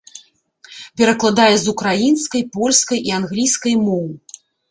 Перакладае з украінскай, польскай і англійскай моў.